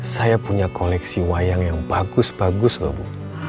saya punya koleksi wayang yang bagus bagus loh bu